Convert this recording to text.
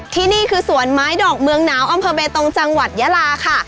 ที่นี่คือสวนไม้ดอกเมืองหนาวอำเภอเบตงจังหวัดยาลาค่ะ